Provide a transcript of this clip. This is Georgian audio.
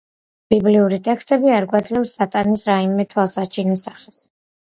ბიბლიური ტექსტები არ გვაძლევს სატანის რაიმე თვალსაჩინო სახეს.